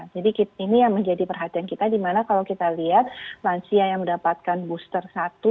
jadi ini yang menjadi perhatian kita dimana kalau kita lihat lansia yang mendapatkan booster satu